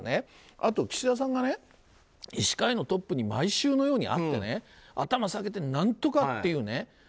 あと、岸田さんが医師会のトップに毎週のように会って頭を下げて、何とかっていうね。